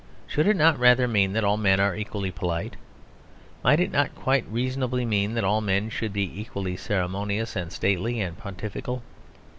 Should it not rather mean that all men are equally polite? Might it not quite reasonably mean that all men should be equally ceremonious and stately and pontifical?